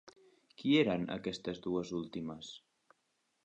Qui eren aquestes dues últimes?